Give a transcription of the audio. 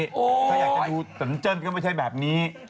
ถ้าอยากดูเต็มก็ไม่ใช่แบบนี้